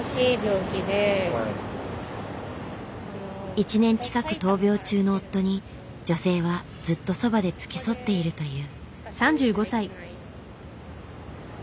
１年近く闘病中の夫に女性はずっとそばで付き添っているという。